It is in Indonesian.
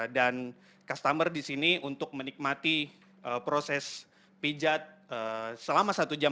dan pelanggan di sini untuk menikmati proses pijat selama satu jam